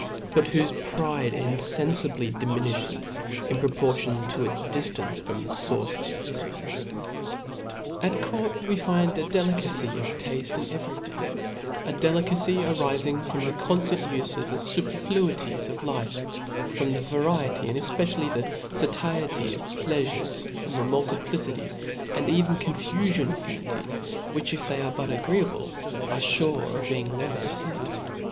t)ut whofe pride infenlibly diminishes in proportion 10 its diftance from the foyrce of thi$ gre^tnei^. OV LAW 8. 45 At coart we find a dclfcacy of tafte in evety ^ j^ * thing, a delicacy arifing from the conftant ufe of cbap.\u the fuperfluities of life, from the variety, and efpe cially the fatiety of pleafufes, from the multiplicity and even confufion of fancies, which, if they arc but agreeable, are fure of being well received.